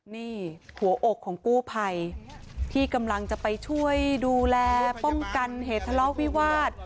นี่หัวอกของกู้ภัยที่กำลังจะไปช่วยดูแลป้องกันเหตุทะเลาะวิวาส